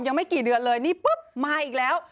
ยังไม่กี่เดือนเลยนี่ปุ๊บมาอีกแล้ว